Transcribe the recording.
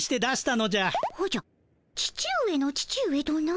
おじゃ父上の父上とな。